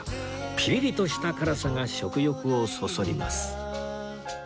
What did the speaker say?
ピリリとした辛さが食欲をそそります